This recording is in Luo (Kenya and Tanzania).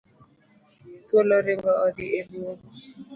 Thuol oringo odhi e bungu.